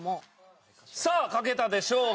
さあ書けたでしょうか？